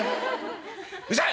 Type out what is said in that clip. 「うるさい！